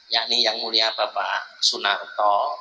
yakni yang mulia bapak sunarto